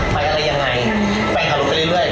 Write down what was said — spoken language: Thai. ไปอะไรยังไงแฟนขับรถไปเรื่อย